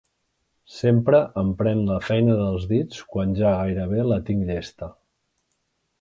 Sempre em pren la feina dels dits quan ja gairebé la tinc llesta.